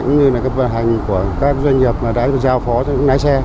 như là các vận hành của các doanh nghiệp đã được giao phó cho những lái xe